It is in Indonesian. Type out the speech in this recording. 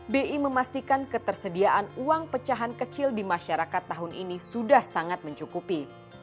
bi memastikan ketersediaan uang pecahan kecil di masyarakat tahun ini sudah sangat mencukupi